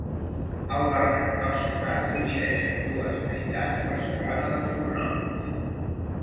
El barranc dels Forats divideix en dues meitats la Solana de Fornons.